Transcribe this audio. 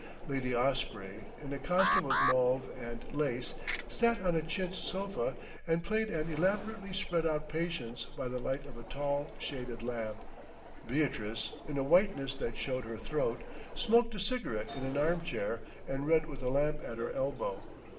Lady Osprey, in a costume of mauve and lace, sat on a chintz sofa and played an elaborately spread out patience by the light of a tall shaded lamp; Beatrice, in a whiteness that showed her throat, smoked a cigarette in an armchair and read with a lamp at her elbow.